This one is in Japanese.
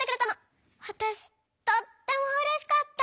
わたしとってもうれしかった。